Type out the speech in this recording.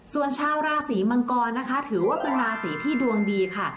ส่วนชาวราศีมังกรนะคะถือว่าเป็นราศีที่ดวงดีค่ะ